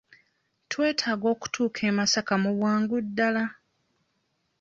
Twetaaga okutuuka e Masaka mu bwangu ddala